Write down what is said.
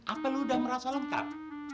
apa lo udah merasa lengkap